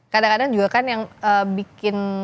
kadang kadang juga kan yang bikin